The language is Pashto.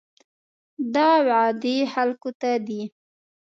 دا وعدې خلکو ته دي.